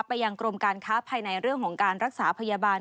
ยังกรมการค้าภายในเรื่องของการรักษาพยาบาล